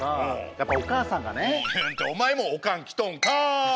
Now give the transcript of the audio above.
やっぱおかあさんがね。っておまえもオカンきとんかい！